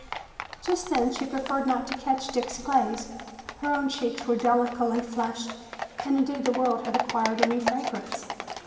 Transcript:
Just then she preferred not to catch Dick's glance. Her own cheeks were delicately flushed and indeed the world had acquired a new fragrance.